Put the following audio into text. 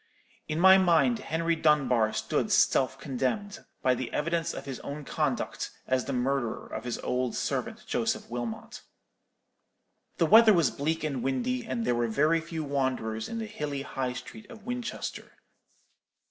In my mind Henry Dunbar stood self condemned, by the evidence of his own conduct, as the murderer of his old servant Joseph Wilmot. "The weather was bleak and windy, and there were very few wanderers in the hilly High Street of Winchester.